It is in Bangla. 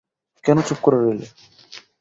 কেন চুপ করে রইলে।